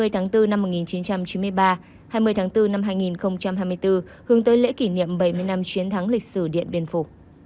hai mươi tháng bốn năm một nghìn chín trăm chín mươi ba hai mươi tháng bốn năm hai nghìn hai mươi bốn hướng tới lễ kỷ niệm bảy mươi năm chiến thắng lịch sử điện biên phủ